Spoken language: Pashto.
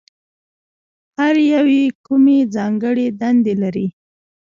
هر یو یې کومې ځانګړې دندې لري؟